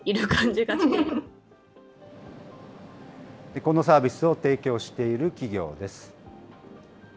このサービスを提供している企業です。